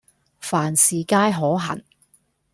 凡事皆可行